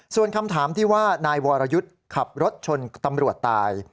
ส่วนคำถามที่ว่านายวรยุทธ์ขับรถชนตำรวจตาย